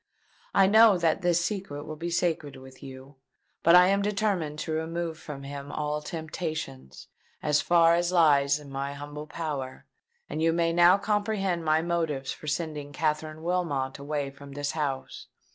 I know that this secret will be sacred with you. But I am determined to remove from him all temptations, as far as lies in my humble power; and you may now comprehend my motives for sending Katherine Wilmot away from this house.